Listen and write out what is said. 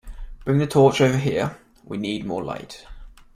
Bring the torch over here; we need more light